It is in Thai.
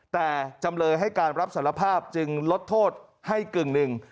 แต่จำเลยให้การรับสารภาพจึงลดโทษให้กึ่งหนึ่ง